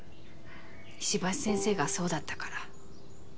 石橋先生がそうだったから。